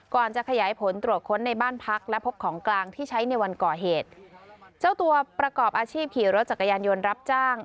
จะขยายผลตรวจค้นในบ้านพักและพบของกลางที่ใช้ในวันก่อเหตุเจ้าตัวประกอบอาชีพขี่รถจักรยานยนต์รับจ้าง